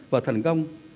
xin trân trọng cảm ơn